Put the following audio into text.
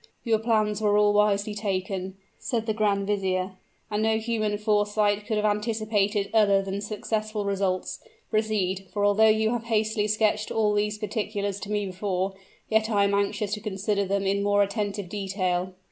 "Your plans were all wisely taken," said the grand vizier, "and no human foresight could have anticipated other than successful results. Proceed, for although you have hastily sketched all these particulars to me before, yet I am anxious to consider them in more attentive detail."